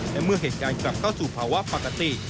และเมื่อเหตุการณ์กลับเข้าสู่ภาวะปกติ